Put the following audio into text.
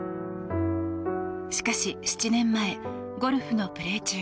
しかし７年前ゴルフのプレー中